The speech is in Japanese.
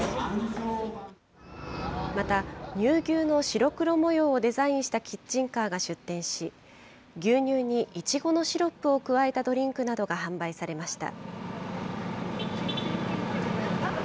また、乳牛の白黒模様をデザインしたキッチンカーが出店し、牛乳にイチゴのシロップを加えたドリンクなどが販売されました。